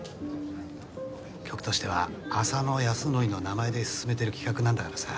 局としては浅野ヤスノリの名前で進めてる企画なんだからさ。